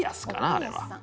あれは。